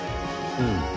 うん。